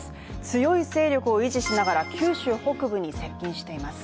強い勢力を維持しながら九州北部に接近しています。